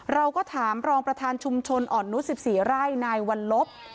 เราก็ถามรองประธานชุมชนอ่อนนุษย์๑๔ไร่นายวันลบ